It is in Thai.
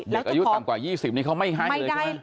เด็กอายุต่ำกว่า๒๐ข้ามัยให้เลยช่ะ